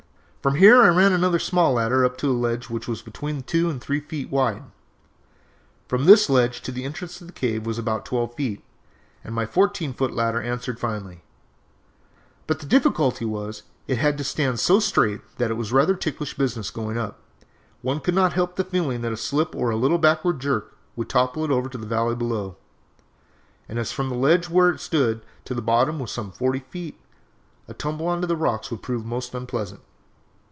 "From here I ran another small ladder up to a ledge which was between two and three feet wide; from this ledge to the entrance of the cave was about twelve feet, and my fourteen foot ladder answered finely, but the difficulty was, it had to stand so straight that it was rather ticklish business going up; one could not help feeling that a slip or a little backward jerk would topple it over into the valley below, and as from the ledge where it stood to the bottom was some forty feet, a tumble on to the rocks would prove most unpleasant.